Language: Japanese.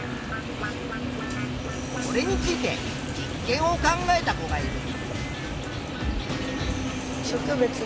これについて実験を考えた子がいる。